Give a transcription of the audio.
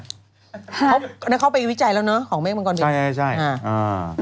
เหมือนเข้าไปจัยแล้วเนอะของเมคปางกรบิน